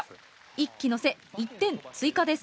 １機のせ１点追加です。